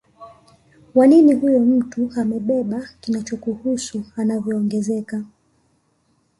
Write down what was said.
wa nini huyo mtu amebeba kinachokuhusu unavyoongezeka